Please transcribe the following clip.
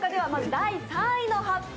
第３位の発表